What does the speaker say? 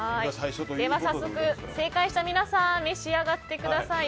では早速、正解した皆さん召し上がってください。